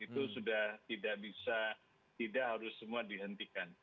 itu sudah tidak bisa tidak harus semua dihentikan